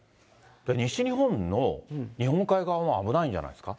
西日本の日本海側も危ないんじゃないですか？